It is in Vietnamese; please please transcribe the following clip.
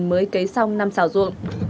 mới kế xong năm xảo ruộng